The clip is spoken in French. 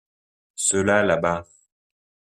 Ceux-là là-bas.